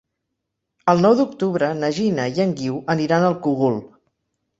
El nou d'octubre na Gina i en Guiu aniran al Cogul.